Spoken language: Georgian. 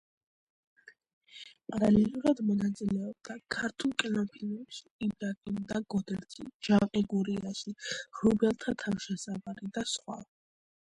პარალელურად მონაწილეობდა ქართულ კინოფილმებში: „იბრაგიმ და გოდერძი“, „ჯანყი გურიაში“, „ღრუბელთა თავშესაფარი“ და სხვა.